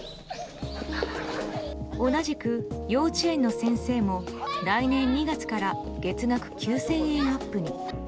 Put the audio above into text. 同じく幼稚園の先生も来年２月から月額９０００円アップに。